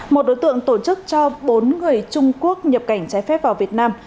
một đối tượng tổ chức cho bốn người trung quốc nhập cảnh trái phép vào việt nam